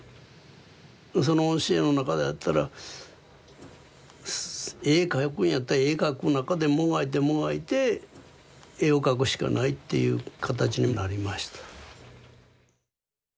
その教えの中だったら絵描くんやったら絵描く中でもがいてもがいて絵を描くしかないっていう形になりました。